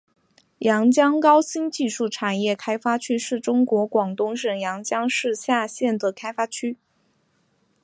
阳江高新技术产业开发区是中国广东省阳江市下辖的开发区。